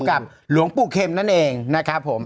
กับหลวงปู่เข็มนั่นเองนะครับผม